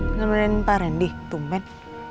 menemani pak randy tumpen